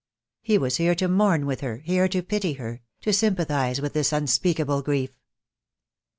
He was here to mourn with her, here to pity her — to sympathize with this unspeakable grief.